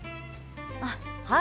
あっはい。